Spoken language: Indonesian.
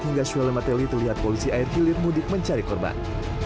hingga swellenmatteli terlihat polisi air kilit mudik mencari korban